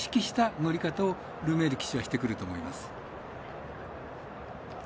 乗り方をルメール騎手はしてくると思います。